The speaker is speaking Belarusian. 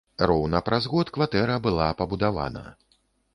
Роўна праз год кватэра была пабудавана.